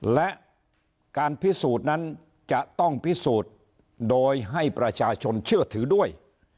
และการพิสูจน์นั้นจะต้องพิสูจน์โดยให้ประชาชนเชื่อถือด้วย